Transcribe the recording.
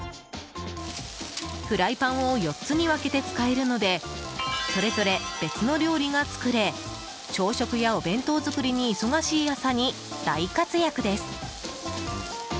フライパンを４つに分けて使えるのでそれぞれ別の料理が作れ朝食や、お弁当作りに忙しい朝に大活躍です。